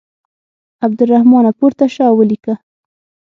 عبدالرحمانه پورته شه او ولیکه.